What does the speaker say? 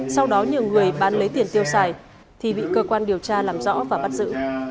sau đó nhiều người bán lấy tiền tiêu xài thì bị cơ quan điều tra làm rõ và bắt giữ